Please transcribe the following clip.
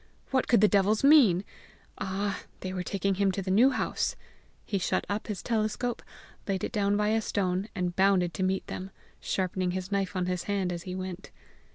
What could the devils mean? Ah, they were taking him to the New House! He shut up his telescope, laid it down by a stone, and bounded to meet them, sharpening his knife on his hand as he went.